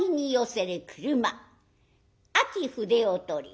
秋筆を執り